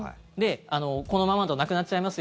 このままだとなくなっちゃいます